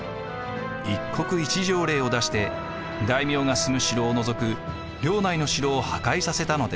一国一城令を出して大名が住む城を除く領内の城を破壊させたのです。